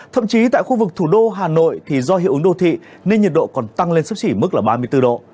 thậm chí tại khu vực thủ đô hà nội thì do hiệu ứng đô thị nên nhiệt độ còn tăng lên sấp xỉ mức ba mươi bốn độ